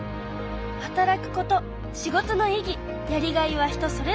働くこと仕事の意義やりがいは人それぞれ。